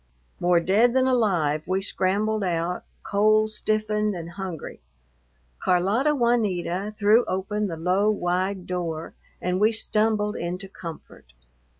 More dead than alive, we scrambled out, cold stiffened and hungry. Carlota Juanita threw open the low, wide door and we stumbled into comfort.